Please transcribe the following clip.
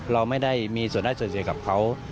เราไม่ได้มีส่วนได้ส่วนเสียกับเขา